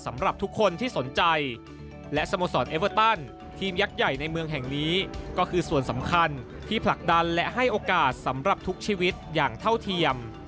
สำหรับทุกคนที่สนใจและสโมสรเอเวอร์ตันทีมยักษ์ใหญ่ในเมืองแห่งนี้ก็คือส่วนสำคัญที่ผลักดันและให้โอกาสสำหรับทุกชีวิตอย่างเท่าเทียม